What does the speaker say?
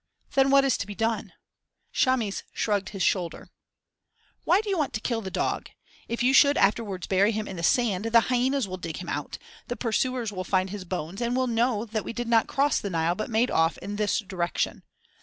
"Then what is to be done?" Chamis shrugged his shoulder. "Why do you want to kill the dog? If you should afterwards bury him in the sand, the hyenas will dig him out; the pursuers will find his bones and will know that we did not cross the Nile but made off in this direction.